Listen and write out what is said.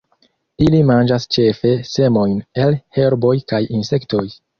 Ili manĝas ĉefe semojn el herboj kaj insektoj.